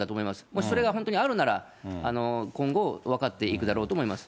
もしそれが本当にあるなら、今後、分かっていくだろうと思います。